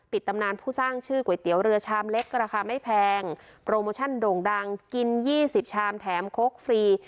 ปิดตำนานผู้สร้างชื่อก๋วยเตี๋ยวเรือชามเล็กราคาไม่แพงโด่งดังกินยี่สิบชามแถมโค้กฟรี